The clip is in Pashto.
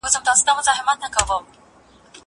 زه هره ورځ نان خورم!!